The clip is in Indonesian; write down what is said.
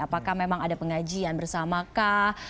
apakah memang ada pengajian bersamakah